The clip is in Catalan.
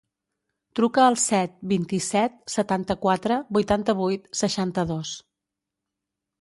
Truca al set, vint-i-set, setanta-quatre, vuitanta-vuit, seixanta-dos.